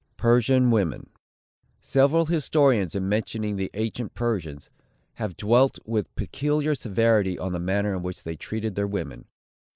PERSIAN WOMEN. Several historians, in mentioning the ancient Persians, have dwelt with peculiar severity on the manner in which they treated their women.